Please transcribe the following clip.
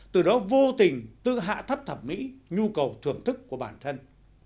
từ đó vô tình tự hạ thấp thẩm mỹ nhu cầu thưởng thức của bản thân